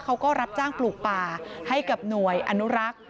เขาก็รับจ้างปลูกป่าให้กับหน่วยอนุรักษ์